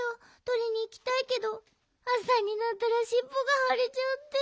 とりにいきたいけどあさになったらしっぽがはれちゃって。